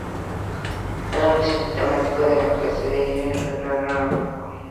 El nombre sistemático de esta clase de enzimas es trimetilamina:citocromo c oxidorreductasa.